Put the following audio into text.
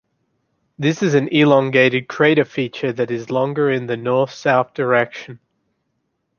This is an elongated crater feature that is longer in the north-south direction.